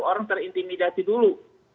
orang terintimidasi dulu